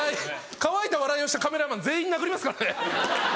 乾いた笑いをしたカメラマン全員殴りますからね。